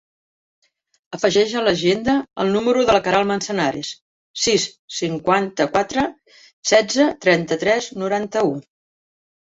Afegeix a l'agenda el número de la Queralt Manzanares: sis, cinquanta-quatre, setze, trenta-tres, noranta-u.